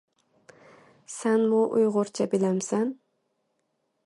This could translate into cheaper air travel domestically.